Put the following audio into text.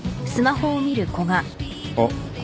あっ。